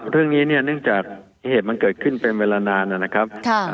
เรื่องนี้เนี่ยเนื่องจากเหตุมันเกิดขึ้นเป็นเวลานานนะครับ